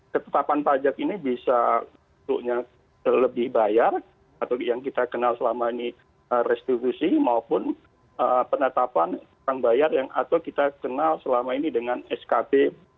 ketetapan pajak ini bisa lebih bayar atau yang kita kenal selama ini restitusi maupun penetapan orang bayar yang atau kita kenal selama ini dengan skb